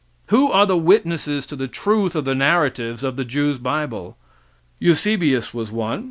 Who are the witnesses to the truth of the narratives of the Jews' bible? Eusebius was one.